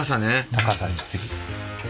高さです次。